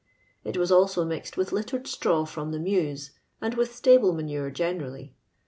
It was also mixed with littered straw from the mews, and with stable manure generally.